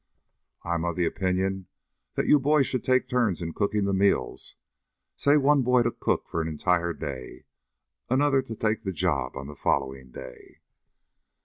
"I am of the opinion that you boys should take turns in cooking the meals, say one boy to cook for an entire day, another to take the job on the following day."